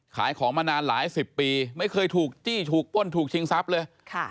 ขายของมานานหลายสิบปีไม่เคยถูกจี้ถูกป้นถูกชิงทรัพย์เลย